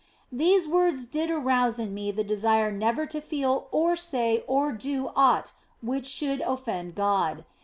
These words did arouse in me the desire never to feel or say or do aught which should offend God.